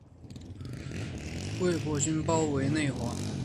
魏博军包围内黄。